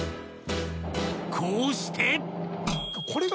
［こうして］